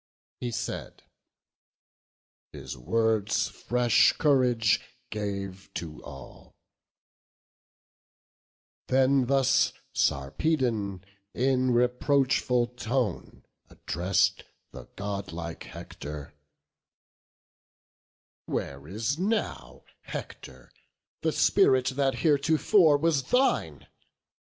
He said; his words fresh courage gave to all: Then thus Sarpedon, in reproachful tone, Address'd the godlike Hector; "Where is now, Hector, the spirit that heretofore was thine?